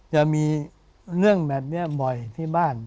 จะมีเรื่องแบบนี้บ่อยที่บ้าน